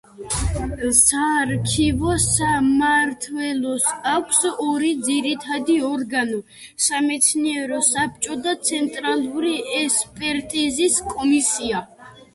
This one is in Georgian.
საარქივო სამმართველოს აქვს ორი ძირითადი ორგანო: სამეცნიერო საბჭო და ცენტრალური ექსპერტიზის კომისია.